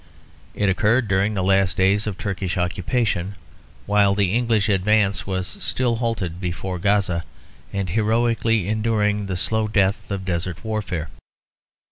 It occurred during the last days of Turkish occupation, while the English advance was still halted before Gaza, and heroically enduring the slow death of desert warfare.